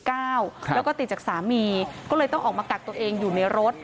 แล้วก็ติดจากสามีก็เลยต้องออกมากักตัวเองอยู่ในรถ